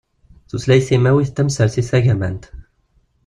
Tutlayt timawit d tamsertit tagamant.